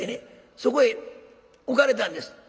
そこへ置かれたんです。